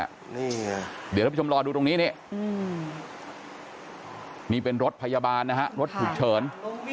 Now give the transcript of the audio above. เดี๋ยวท่านผู้ชมรอดูตรงนี้นี่เป็นรถพยาบาลนะฮะรถฉุกเฉิน